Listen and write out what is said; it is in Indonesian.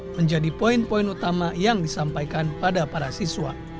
menjadi poin poin utama yang disampaikan pada para siswa